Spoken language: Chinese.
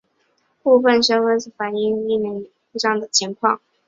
部份消费者反应手机使用一年后萤幕触控容易有故障的情况。